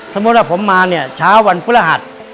สมมติว่าผมมาเนี่ยเช้าวันพระหัทธรรม